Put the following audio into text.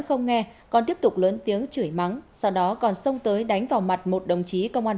không nghe còn tiếp tục lớn tiếng chửi mắng sau đó còn xông tới đánh vào mặt một đồng chí công an